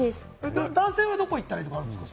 男性はどこに行ったらいいんですか？